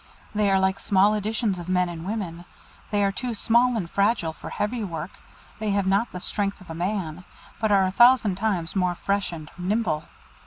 They are like small editions of men and women, they are too small and fragile for heavy work; they have not the strength of a man, but are a thousand times more fresh and nimble.